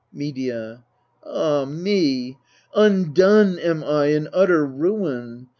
Medea. Ah me ! undone am I in utter ruin